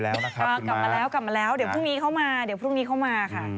เดี๋ยวพรุ่งนี้เขามาค่ะ